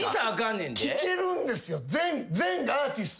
聴けるんですよ。